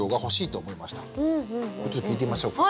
これちょっと聞いてみましょうか。